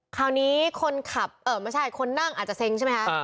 คราวนี้คนขับไม่ใช่คนนั่งอาจจะเซ็งใช่ไหมคะ